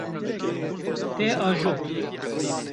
Te ajot.